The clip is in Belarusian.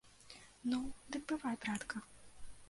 Ну, дык бывай, братка!